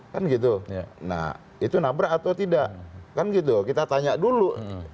kan gitu nah itu nabrak atau tidak kan gitu kita tanya dulu